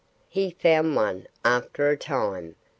He found one, after a time.